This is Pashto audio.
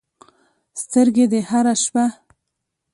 سترګې دې هره شپه